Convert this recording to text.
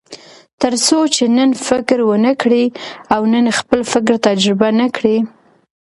تر څو چې نن فکر ونه کړئ او نن خپل فکر تجربه نه کړئ.